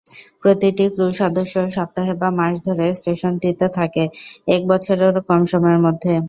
প্রতিটি ক্রু সদস্য সপ্তাহে বা মাস ধরে স্টেশনটিতে থাকে, এক বছরেরও কম সময়ের মধ্যে।